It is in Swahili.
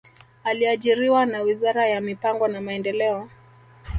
Aliajiriwa na wizara ya mipango na maendeleo